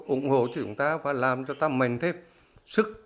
ủng hộ cho chúng ta và làm cho ta mềm thêm sức